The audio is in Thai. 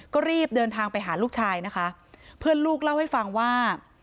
ก็รีบเดินทางไปหาลูกชายนะคะเพื่อนลูกเล่าให้ฟังว่า